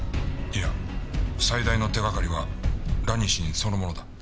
いや最大の手がかりはラニシンそのものだ。